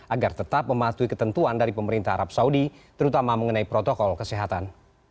agar tetap mematuhi ketentuan dari pemerintah arab saudi terutama mengenai protokol kesehatan